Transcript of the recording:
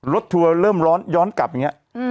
ทัวร์เริ่มร้อนย้อนกลับอย่างนี้